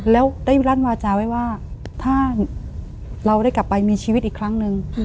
แล้วได้วิรั่นวาจาไว้ว่าถ้าเราได้กลับไปมีชีวิตอีกครั้งหนึ่ง